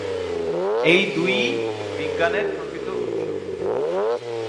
এই দুইই বিজ্ঞানের প্রকৃত উৎস।